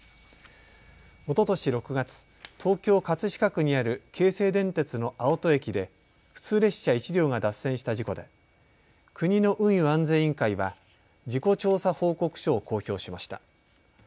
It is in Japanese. おととし６月、東京葛飾区にある京成電鉄の青砥駅で普通列車１両が脱線した事故で国の運輸安全委員会は事故調査報告書を公表しました。